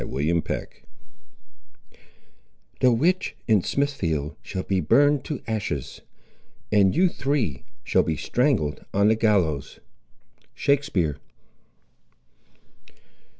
CHAPTER XXVIII The witch, in Smithfield, shall be burned to ashes, And you three shall be strangled on the gallows. —Shakespeare.